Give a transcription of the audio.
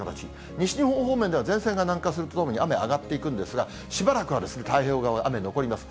西日本方面では前線が南下するとともに雨が上がっていくんですが、しばらくは太平洋側、雨残ります。